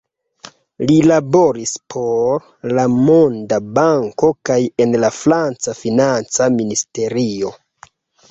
Li laboris por la Monda Banko kaj en la franca financa ministerio.